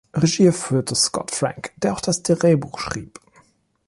Regie führte Scott Frank, der auch das Drehbuch schrieb.